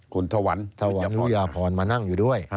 คุณธวรรณธวรรณุยาพรมานั่งอยู่ด้วย